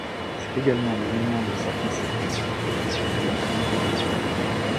C'est également le moment de sa consécration professionnelle à l'international.